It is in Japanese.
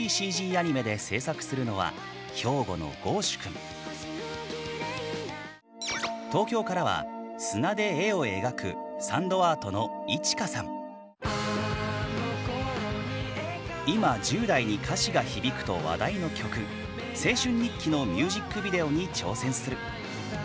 ３ＤＣＧアニメで制作するのは東京からは砂で絵を描くサンドアートの今１０代に歌詞が響くと話題の曲「青春日記」のミュージックビデオに挑戦する。